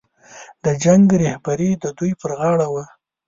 د جنګ رهبري د دوی پر غاړه وه.